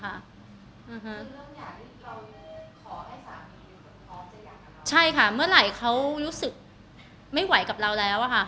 เรื่องอย่างที่เราขอให้สามีใช่ค่ะเมื่อไหร่เขารู้สึกไม่ไหวกับเราแล้วอะค่ะ